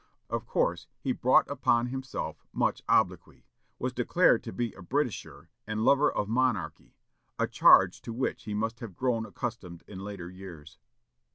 Of course, he brought upon himself much obloquy; was declared to be a "Britisher," and lover of monarchy, a charge to which he must have grown accustomed in later years.